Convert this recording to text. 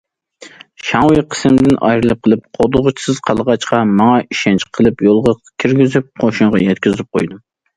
شاڭۋېي قىسىمدىن ئايرىلىپ قېلىپ قوغدىغۇچىسىز قالغاچقا ماڭا ئىشەنچ قىلىپ يولغا كىرگۈزۈپ، قوشۇنغا يەتكۈزۈپ قويدۇم.